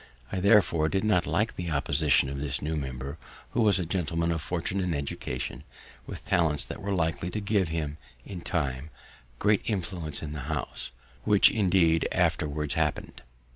I therefore did not like the opposition of this new member, who was a gentleman of fortune and education, with talents that were likely to give him, in time, great influence in the House, which, indeed, afterwards happened.